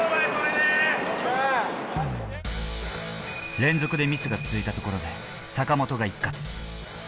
連続でミスが続いたところで坂本が一喝。